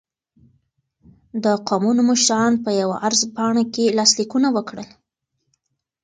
د قومونو مشرانو په یوه عرض پاڼه کې لاسلیکونه وکړل.